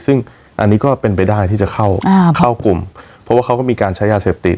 ซึ่งอันนี้ก็เป็นไปได้ที่จะเข้าเข้ากลุ่มเพราะว่าเขาก็มีการใช้ยาเสพติด